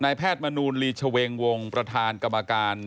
แพทย์มนูลลีชเวงวงประธานกรรมการ